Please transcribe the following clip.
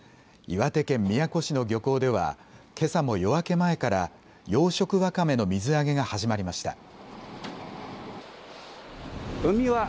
岩手県宮古市の漁港では、けさも夜明け前から養殖わかめの水揚げが始まりました。